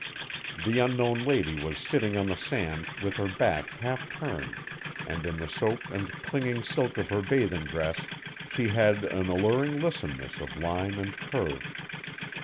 The unknown lady was sitting on the sand with her back half turned and, in the soaked and clinging silk of her bathing dress, she had an alluring lissomness of line and curve.